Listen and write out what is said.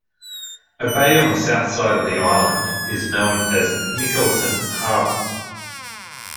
A bay on the south side of the island is known as Mikkelsen Harbor.